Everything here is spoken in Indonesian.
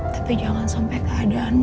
tapi jangan sampai keadaanmu